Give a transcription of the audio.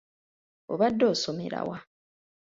Obadde osomera wa?